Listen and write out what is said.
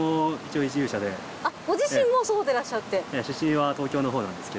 あっご自身もそうでらっしゃって。